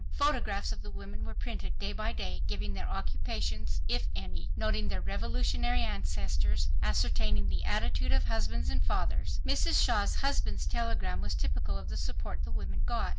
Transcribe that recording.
Photographs of the women were printed day by day—giving their occupations, if any, noting their revolutionary ancestors, ascertaining the attitude of husbands and fathers. Mrs. Shaw's husband's telegram was typical of the support the women got.